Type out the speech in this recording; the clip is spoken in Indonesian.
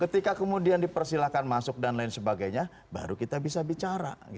ketika kemudian dipersilahkan masuk dan lain sebagainya baru kita bisa bicara